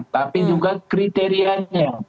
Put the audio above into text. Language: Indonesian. tapi juga kriteriannya